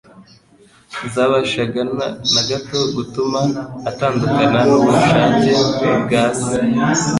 zabashaga na gato gutuma atandukana n'ubushake bwa Se.